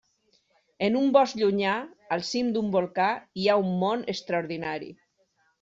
En un bosc llunyà, al cim d'un volcà, hi ha un món extraordinari.